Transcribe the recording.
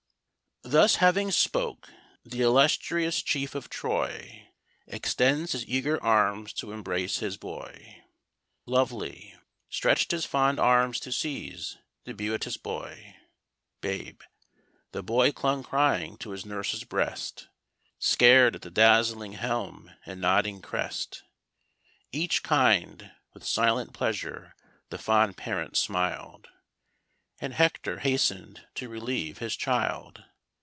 Thus having spoke, the illustrious chief of Troy Extends his eager arms to embrace his boy, lovely Stretched his fond arms to seize the beauteous boy; babe The boy clung crying to his nurse's breast, Scar'd at the dazzling helm and nodding crest. each kind With silent pleasure the fond parent smil'd, And Hector hasten'd to relieve his child.